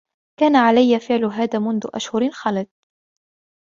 كان عليّ فعل هذا منذ أشهر خلت.